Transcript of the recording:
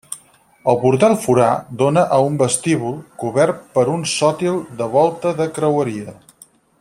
El portal forà dóna a un vestíbul, cobert per un sòtil de volta de creueria.